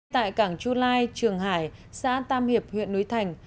tại cảng chu lai trường hải xã tam hiệp huyện núi thành